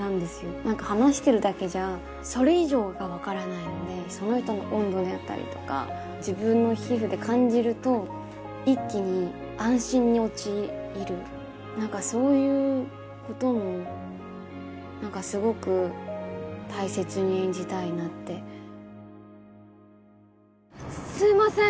何か話してるだけじゃそれ以上が分からないのでその人の温度であったりとか自分の皮膚で感じると一気に安心に陥る何かそういうことも何かすごく大切に演じたいなってすいません